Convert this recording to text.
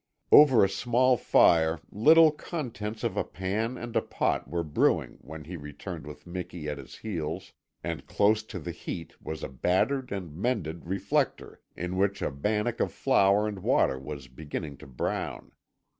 Over a small fire title contents of a pan and a pot were brewing when he returned with Miki at his heels, and close to the heat was a battered and mended reflector in which a bannock of flour and water was beginning to brown.